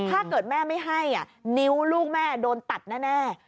ถ้าเกิดแม่ไม่ให้นิ้วลูกแม่โดนตัดแน่